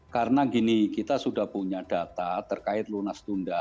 karena gini kita sudah punya data terkait lunas tunda